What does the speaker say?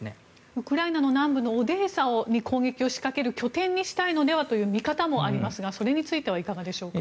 ウクライナの南部のオデーサに攻撃を仕掛ける拠点にしたいのではあという見方もありますがそれについてはいかがですか？